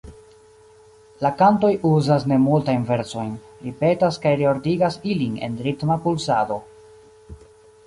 La kantoj uzas nemultajn versojn, ripetas kaj reordigas ilin en ritma pulsado.